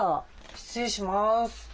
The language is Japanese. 失礼します。